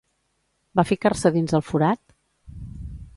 Va ficar-se dins el forat?